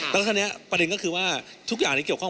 แล้วทั้งนี้ประเด็นนี่ก็คือทุกอย่าง